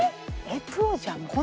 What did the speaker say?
プロじゃん。